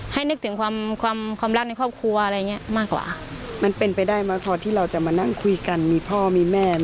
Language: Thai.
นึกถึงความความรักในครอบครัวอะไรอย่างเงี้ยมากกว่ามันเป็นไปได้มาพอที่เราจะมานั่งคุยกันมีพ่อมีแม่